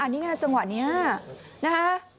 อันนี้ไงจังหวะนี้นะฮะ